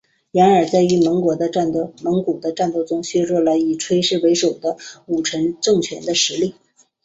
然而在与蒙古的战争中也削弱了以崔氏为首的武臣政权的实力。